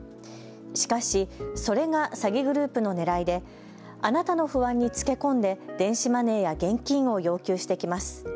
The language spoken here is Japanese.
しかしそれが詐欺グループのねらいであなたの不安につけ込んで電子マネーや現金を要求してきます。